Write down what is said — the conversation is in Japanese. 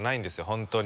本当に。